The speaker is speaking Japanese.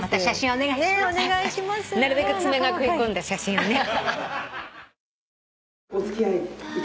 なるべく爪が食い込んだ写真をね。